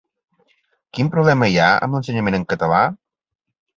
Quin problema hi ha amb l’ensenyament en català?